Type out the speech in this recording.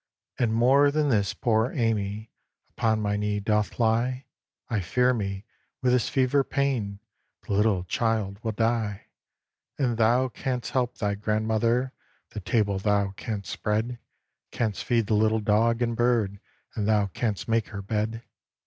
"And more than this, poor Amy Upon my knee doth lie; I fear me, with this fever pain The little child will die! "And thou canst help thy grandmother; The table thou canst spread, Canst feed the little dog and bird, And thou canst make her bed.